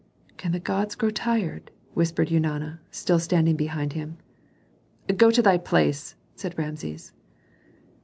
"Can the gods grow tired?" whispered Eunana, still standing behind him. "Go to thy place!" said Rameses.